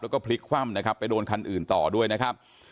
แล้วก็พลิกคว่ำนะครับไปโดนคันอื่นต่อด้วยนะครับ